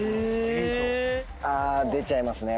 え⁉あ出ちゃいますね